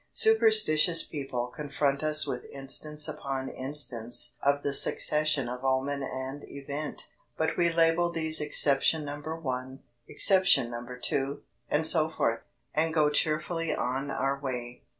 Superstitious people confront us with instance upon instance of the succession of omen and event, but we label these exception No. 1, exception No. 2, and so forth, and go cheerfully on our way.